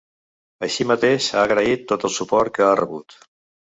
Així mateix, ha agraït tot el suport que ha rebut.